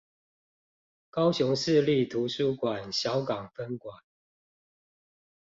高雄市立圖書館小港分館